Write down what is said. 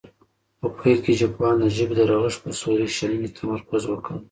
په پیل کې ژبپوهانو د ژبې د رغښت په صوري شننې تمرکز وکړ